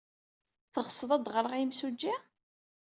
Teɣsed ad d-ɣreɣ i yimsujji?